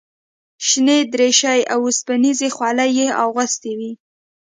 شنې دریشۍ او اوسپنیزې خولۍ یې اغوستې وې.